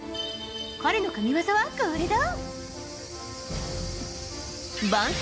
彼の神技はこれだ。